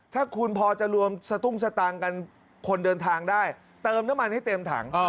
ถ้าคุณพอจะรวมสตุ้งสตางค์กันคนเดินทางได้เติมน้ำมันให้เต็มถัง